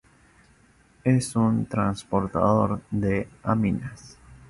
Es un transportador de aminas.